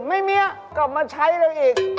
ไม่เมี๊ยกลับมาใช้เราอีก